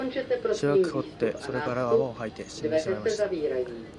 しばらく吠って、それから泡を吐いて死んでしまいました